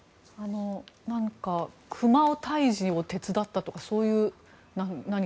熊退治を手伝ったとかそういう何か。